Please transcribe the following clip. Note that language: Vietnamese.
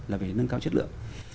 là về nâng cao chất lượng